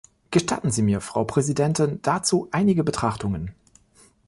Gestatten Sie mir, Frau Präsidentin, dazu einige Betrachtungen.